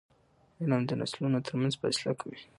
علم د نسلونو ترمنځ فاصله کموي.